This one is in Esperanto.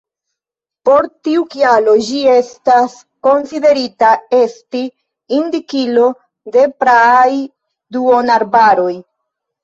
Por tiu kialo ĝi estas konsiderita esti indikilo de praaj duonarbaroj.